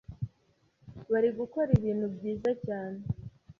bari gukora ibintu byiza cyane